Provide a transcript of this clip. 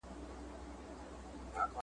خپل بدل اخلي